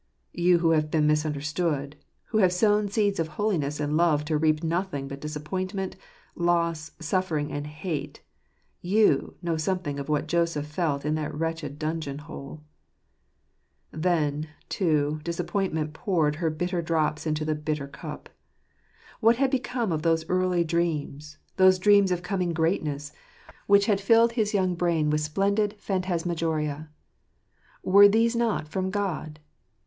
You who have been misunderstood, who have sown seeds of holiness and love to reap nothing but disappointment, loss, suffering, and hate — you know something of what Joseph felt in that wretched dungeon hole. Thetiy tooy disappointment poured her bitter drops into the bitter cup. What had become of those early dreams, those dreams of coming greatness, which had filled his "Hail (Soil ftraafutt {rim?" 53 young brain with splendid phantasmagoria? Were these not from God